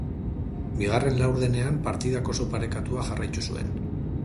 Bigarren laurdenean partidak oso parekatua jarraitu zuen.